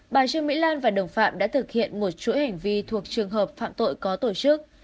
bà trương mỹ lan và đồng phạm đã thực hiện một chuỗi hành vi thuộc trường hợp phạm tội có tổ chức